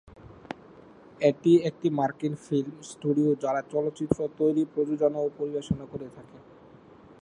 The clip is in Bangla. এটি একটি মার্কিন ফিল্ম স্টুডিও যারা চলচ্চিত্র তৈরি, প্রযোজনা, ও পরিবেশনা করে থাকে।